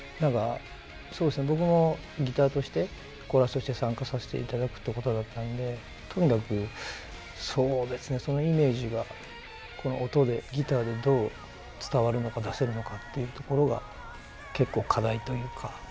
僕も、ギターとしてコーラスとして参加させていただくっていうことだったのでとにかく、そのイメージが音で、ギターでどう伝わるのか出せるのかっていうところが結構、課題というか。